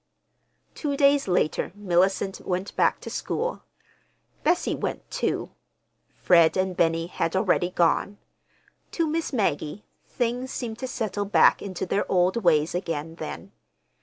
Two days later Mellicent went back to school. Bessie went, too. Fred and Benny had already gone. To Miss Maggie things seemed to settle back into their old ways again then.